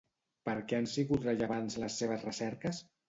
Per què han sigut rellevants les seves recerques?